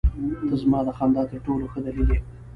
• ته زما د خندا تر ټولو ښه دلیل یې.